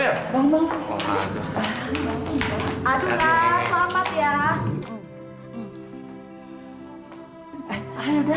ya bang bang aduh nah selamat ya